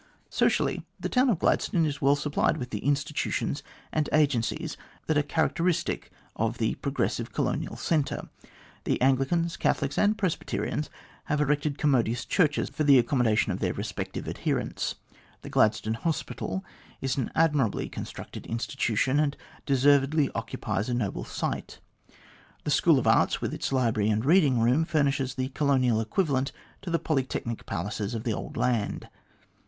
Socially, the town of Gladstone is well supplied with the institutions and agencies that are characteristic of the pro gressive colonial centre. The Anglicans, Catholics, and Presbyterians have erected commodious churches for the accommodation of their respective adherents. The Gladstone Hospital is an admirably conducted institution, and deservedly occupies a noble site. The School of Arts, with its library and reading room, furnishes the colonial equivalent to the polytechnic palaces of the old land.